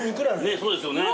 ねっそうですよね。